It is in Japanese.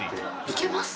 いけます？